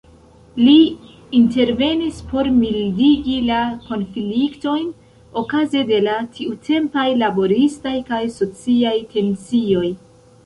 Li intervenis por mildigi la konfliktojn okaze de la tiutempaj laboristaj kaj sociaj tensioj.